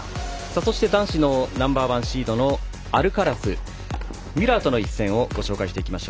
そして、男子のナンバーワンシードのアルカラスミュラーとの一戦をご紹介していきます。